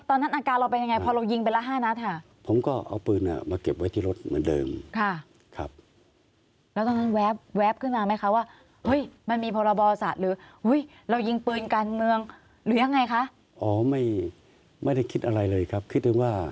ตอนนั้นอาการเราเป็นยังไงพอเรายิงไปละ๕นัด